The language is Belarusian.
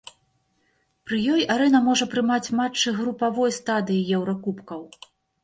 Пры ёй арэна можа прымаць матчы групавой стадыі еўракубкаў.